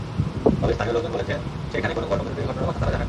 তবে স্থানীয় লোকজন বলেছেন, সেখানে কোনো গণপিটুনির ঘটনার কথা তাঁরা জানেন না।